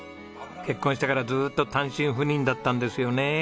結婚してからずっと単身赴任だったんですよね？